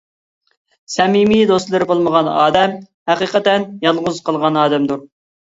سەمىمىي دوستلىرى بولمىغان ئادەم ھەقىقەتەن يالغۇز قالغان ئادەمدۇر.